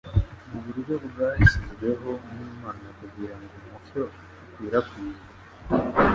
mu buryo bwashyizweho n'Imana kugira ngo umucyo ukwirakwizwe,